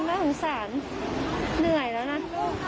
กลับเข้ากันแล้วกัน